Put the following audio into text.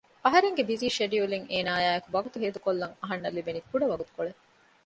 އަހަރެންގެ ބިޒީ ޝެޑިއުލްއިން އޭނައާއިއެކު ވަގުތު ހޭދަކޮށްލަން އަހަންނަށް ލިބެނީ ކުޑަ ވަގުތުކޮޅެއް